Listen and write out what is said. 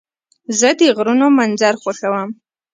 زه د غرونو منظر خوښوم.